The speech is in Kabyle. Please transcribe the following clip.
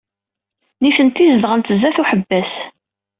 Nitenti zedɣent sdat uḥebbas.